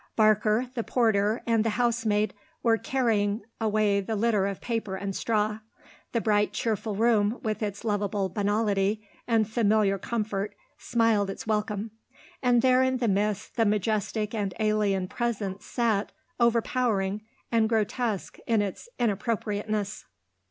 Barker, the porter and the housemaid were carrying away the litter of paper and straw. The bright cheerful room with its lovable banality and familiar comfort smiled its welcome; and there, in the midst, the majestic and alien presence sat, overpowering, and grotesque in its inappropriateness.